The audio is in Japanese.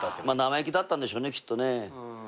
生意気だったんでしょうねきっとね。